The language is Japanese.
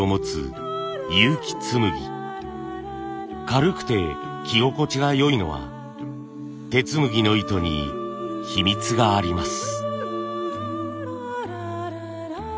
軽くて着心地が良いのは手つむぎの糸に秘密があります。